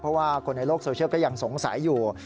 เพราะว่าคนในโลกโซเชียลก็ยังสงสัยอยู่